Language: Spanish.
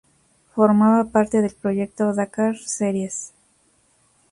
Formaba parte del proyecto Dakar Series.